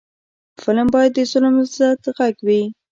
فلم باید د ظلم ضد غږ وي